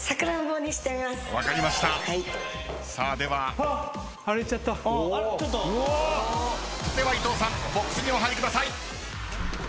では伊藤さんボックスにお入りください。